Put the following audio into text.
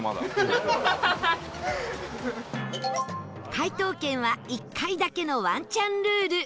解答権は１回だけのワンチャンルール